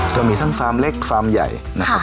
จะมีทั้งฟาร์มเล็กฟาร์มใหญ่นะครับ